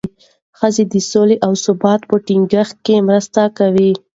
ښځې د سولې او ثبات په ټینګښت کې مرسته کوي.